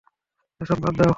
এসব বাদ দাও!